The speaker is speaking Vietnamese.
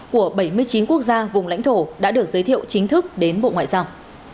của bảy mươi chín quốc gia vùng lãnh thổ đã được giới thiệu chính thức đến bộ ngoại giao